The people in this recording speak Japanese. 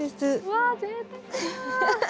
わあぜいたくだ。